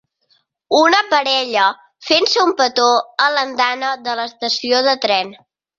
Una parella fent-se un petó a l'andana de l'estació de tren.